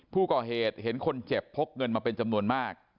ผู้ก่อเหตุเห็นคนเจ็บพกเงินมาเป็นจำนวนมาก